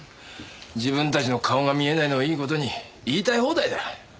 自分たちの顔が見えないのをいい事に言いたい放題だ。